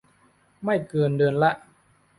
ไม่เกินเดือนละ